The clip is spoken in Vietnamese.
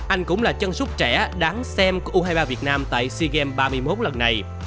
anh cũng là chân súc trẻ đáng xem của u hai mươi ba việt nam tại sea games ba mươi một lần này